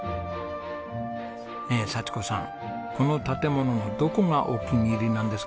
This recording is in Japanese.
ねえ佐千子さんこの建物のどこがお気に入りなんですか？